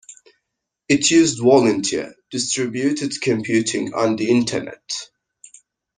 It used volunteer distributed computing on the Internet.